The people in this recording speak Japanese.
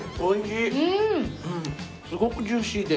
すごくジューシーで。